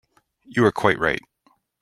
You are quite right.